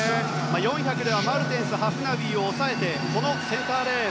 ４００ではマルテンスなどを抑えてセンターレーン。